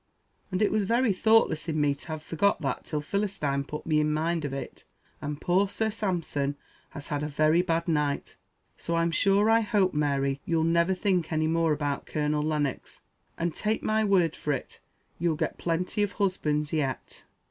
And it was very thoughtless in me to have forgot that till Philistine put me in mind of it, and poor Sir Sampson has had a very bad night; so I'm sure I hope, Mary, you'll never think any more about Colonel Lennox; and, take my word for it, you'll get plenty of husbands yet.